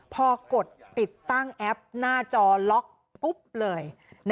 พอกดติดตั้งแอปหน้าจอล็อกปุ๊บเลย